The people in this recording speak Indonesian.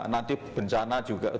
nanti bencana juga